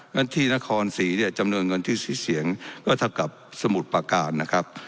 ฉะที่นครศรีเนี่ยจำนวนเงินที่เสียงก็เท่ากับสมุทรประการนะครับ